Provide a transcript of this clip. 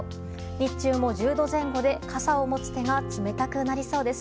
日中も１０度前後で傘を持つ手が冷たくなりそうです。